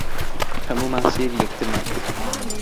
هەموومان سەیری یەکترمان کرد.